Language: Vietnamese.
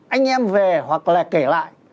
anh em về hoặc là kể lại